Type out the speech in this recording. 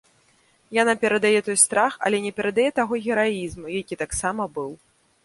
Яна перадае той страх, але не перадае таго гераізму, які таксама быў.